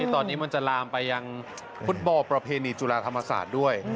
ตอนนี้มันจะลามไปยังฟุตบอลประเพณีจุฬาธรรมศาสตร์ด้วย